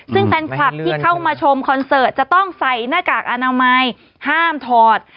ซึ่งแฟนคลับที่เข้ามาชมคอนเสิร์ตจะต้องใส่หน้ากากอนามัยห้ามถอด